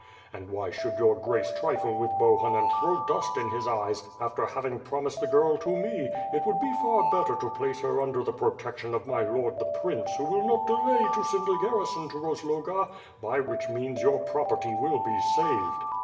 And why should Your ( I race trifle with Bohun and throw dust in his eyes after having promised the girl to me; it would be far better to place her under the protection of my lord the prince who will not delay to send a garrison to Rozloga, by which means your property will be saved."